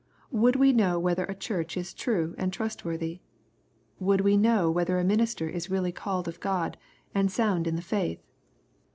Would we know whether a Church is true and trust worthy ?— Would we know whether a minister is really called ol God, and sound in the faith